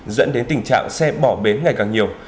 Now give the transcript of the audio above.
dẫn đến tình trạng xe bỏ bến ngày càng nhiều